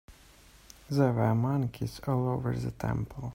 There were monkeys all over the temple.